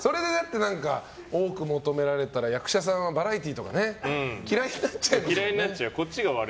多く求められたら役者さんはバラエティーとか嫌いになっちゃいますよね。